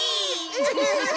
フフフフ。